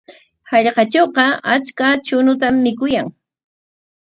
Hallqatrawqa achka chuñutam mikuyan.